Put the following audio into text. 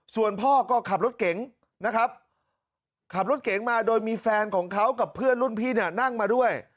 ส่วนพ่อก็ขับรถเก๋งนะครับขับรถเก๋งมาโดยมีแฟนของเขากับเพื่อนรุ่นพี่เนี่ยนั่งมาด้วย